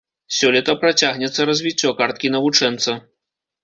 Сёлета працягнецца развіццё карткі навучэнца.